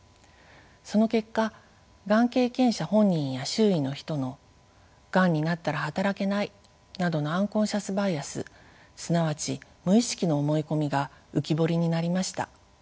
その結果がん経験者本人や周囲の人のがんになったら働けないなどのアンコンシャスバイアスすなわち無意識の思い込みが浮き彫りになりました。